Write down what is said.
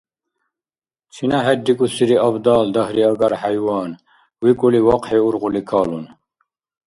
«Чина хӀерикӀусири абдал, дагьриагар хӀяйван», — викӀули, вахъхӀи ургъули калун.